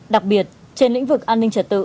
đặc biệt trên lĩnh vực an ninh trật tự